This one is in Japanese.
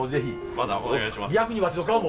またお願いします。